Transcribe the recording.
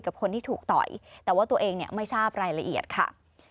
กับคนที่ถูกต่อยแต่ว่าตัวเองเนี่ยไม่ทราบรายละเอียดค่ะ